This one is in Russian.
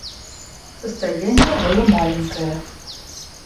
Состояние было маленькое.